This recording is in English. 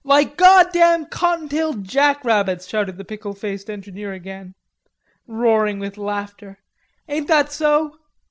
"Like goddam cottontailed jackrabbits," shouted the pickle faced engineer again, roaring with laughter. "Ain't that so?"